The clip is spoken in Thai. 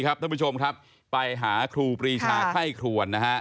ท่านผู้ชมครับไปหาครูปรีชาไข้ครวนนะฮะ